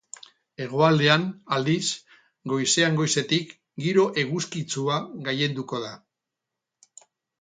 Hegoaldean, aldiz, goizean goizetik giro eguzkitsua gailenduko da.